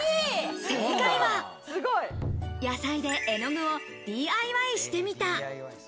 正解は、野菜で絵の具をＤＩＹしてみた。